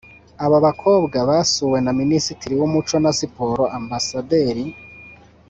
aba bakobwa basuwe na Minisitiri w’Umuco na Siporo Amb